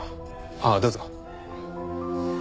ああどうぞ。